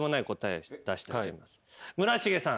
村重さん。